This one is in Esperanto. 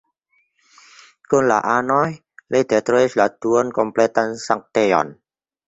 Kun la anoj, li detruis la duon-kompletan sanktejon.